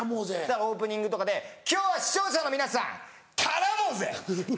オープニングとかで「今日は視聴者の皆さん絡もうぜ！」。